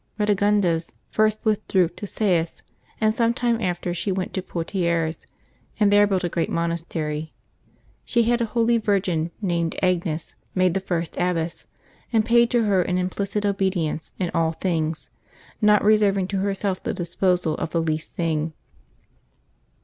Eadegundes first withdrew to Sais, and some time after she went 'to Poitiers, and there built a great monastery. She had a holy virgin, named Agnes, made the first abbess, and paid to her an implicit obedience in all things, not reserving to herself the disposal of the least thing.